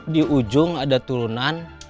di ujung ada turunan